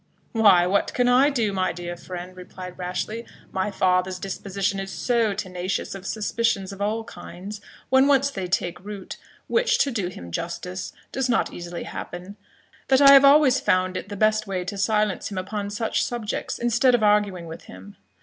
"Why, what can I do, my dear friend?" replied Rashleigh "my father's disposition is so tenacious of suspicions of all kinds, when once they take root (which, to do him justice, does not easily happen), that I have always found it the best way to silence him upon such subjects, instead of arguing with him.